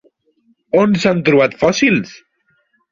On s'han trobat fòssils?